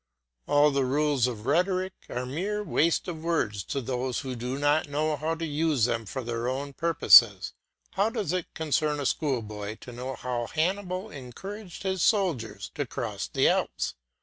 All the rules of rhetoric are mere waste of words to those who do not know how to use them for their own purposes. How does it concern a schoolboy to know how Hannibal encouraged his soldiers to cross the Alps?